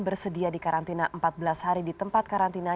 bersedia di karantina empat belas hari di tempat karantina